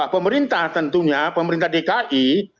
pemerintah tentunya pemerintah dki